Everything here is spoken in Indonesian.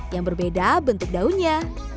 yang berbeda bentuk daunnya